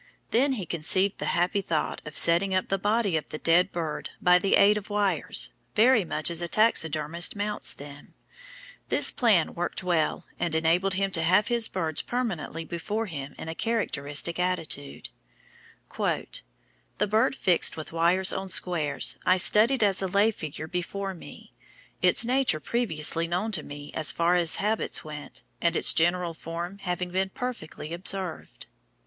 Then he conceived the happy thought of setting up the body of the dead bird by the aid of wires, very much as a taxidermist mounts them. This plan worked well and enabled him to have his birds permanently before him in a characteristic attitude: "The bird fixed with wires on squares I studied as a lay figure before me, its nature previously known to me as far as habits went, and its general form having been perfectly observed."